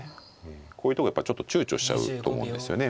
こういうところやっぱりちょっと躊躇しちゃうと思うんですよね